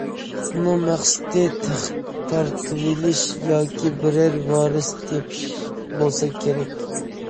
ئۇنىڭ مەقسىتى تەخت تارتىۋېلىش ياكى بىرەر ۋارس تېپىش بولسا كېرەك.